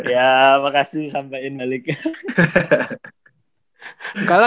ya makasih sampein baliknya